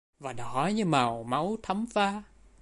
Và đỏ như màu máu thắm pha